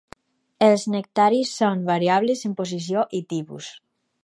Els nectaris són variables en posició i tipus.